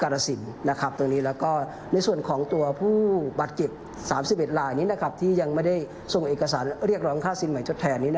ร้องค่าสินใหม่ทดแทนนี้